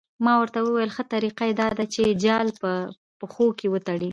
ما ورته وویل ښه طریقه یې دا ده چې جال په پښو کې وتړي.